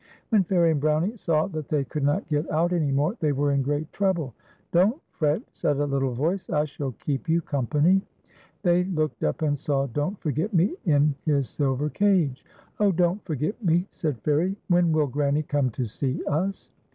When Fairie and Brownie saw that they could not get out any more, they were in great trouble, " Don't fret," said a little voice, " I shall keep you company." fAlRlE AXD BKOiy.V/£. . iSj Tlicy looked up and saw Doii't Forget Mc in liis silver cage. " Oh, Don't Forget Me/' said Fairic, " when will Granny come to see us